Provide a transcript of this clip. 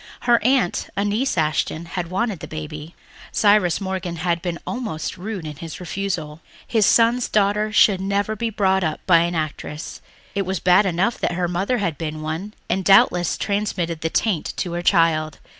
Her aunt, Annice Ashton, had wanted the baby. Cyrus Morgan had been almost rude in his refusal. His son's daughter should never be brought up by an actress; it was bad enough that her mother had been one and had doubtless transmitted the taint to her child.